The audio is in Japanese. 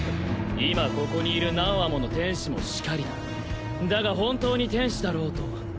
今ここにいる何羽もの天使もしかりだだが本当に天使だろうと超兵器